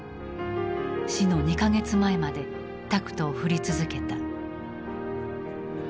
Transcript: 死の２か月前までタクトを振り続けた。